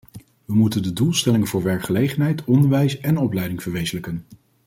We moeten de doelstellingen voor werkgelegenheid, onderwijs en opleiding verwezenlijken.